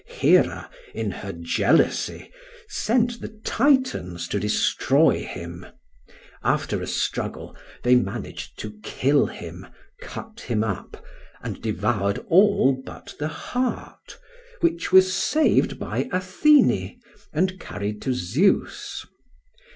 Hera, in her jealousy, sent the Titans to destroy him; after a struggle, they managed to kill him, cut him up and devoured all but the heart, which was saved by Athene and carried to Zeus.